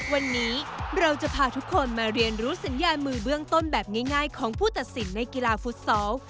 วันนี้เราจะพาทุกคนมาเรียนรู้สัญญามือเบื้องต้นแบบง่ายของผู้ตัดสินในกีฬาฟุตซอล